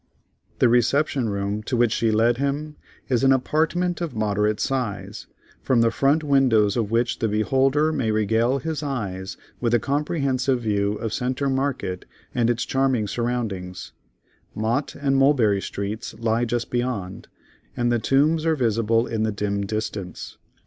The reception room to which she led him, is an apartment of moderate size, from the front windows of which the beholder may regale his eyes with a comprehensive view of Centre Market and its charming surroundings; Mott and Mulberry Streets lie just beyond, and the Tombs are visible in the dim distance.